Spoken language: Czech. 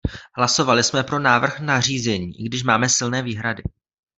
Hlasovali jsme pro návrh nařízení, i když máme silné výhrady.